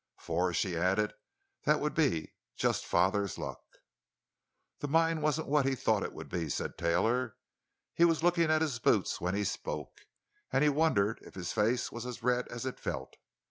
For," she added, "that would be just father's luck." "The mine wasn't what we thought it would be," said Taylor. He was looking at his boots when he spoke, and he wondered if his face was as red as it felt.